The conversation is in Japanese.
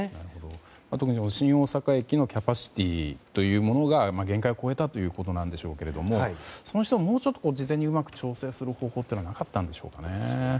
特に新大阪駅のキャパシティーが限界を超えたということなんでしょうけれどもそうしてももうちょっと事前にうまく調整する方法はなかったんでしょうかね。